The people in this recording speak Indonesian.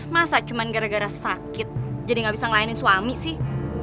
masa cuma gara gara sakit jadi gak bisa ngelain suami sih